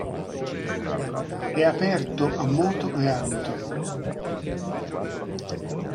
È aperto a moto e auto.